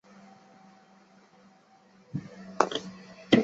本列表为莫桑比克驻中华人民共和国历任大使名录。